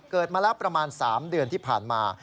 เกิดมาแล้วประมาณ๓เดือนที่ผ่านมา